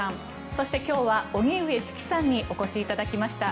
そして今日は荻上チキさんにお越しいただきました。